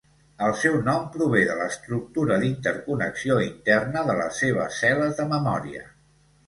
El seu nom prové de l’estructura d’interconnexió interna de les seves cel·les de memòria.